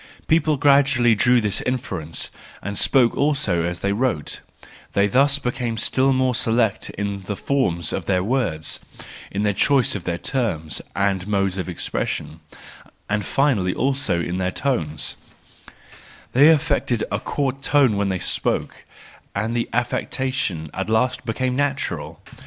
People gradually drew this inference, and spoke also as they wrote,—they thus became still more select in the forms of their words, in the choice of their terms and modes of expression, and finally also in their tones : they affected a court tone when they spoke, and the affectation at last became 142 THE JOYFUL WISDOM, II natural.